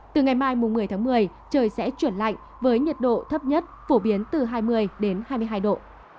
từ ngày mai một mươi tháng một mươi trời sẽ chuyển lạnh với nhiệt độ thấp nhất phổ biến từ hai mươi hai mươi hai độ